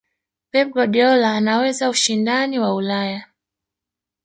pep guardiola anaweza ushindani wa ulaya